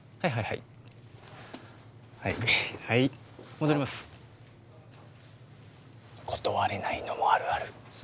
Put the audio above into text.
はいはいはい戻ります断れないのもあるある